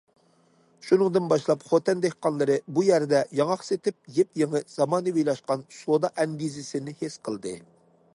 شۇنىڭدىن باشلاپ، خوتەن دېھقانلىرى بۇ يەردە ياڭاق سېتىپ يېپيېڭى زامانىۋىلاشقان سودا ئەندىزىسىنى ھېس قىلدى.